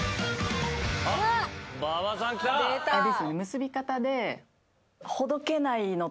結び方で。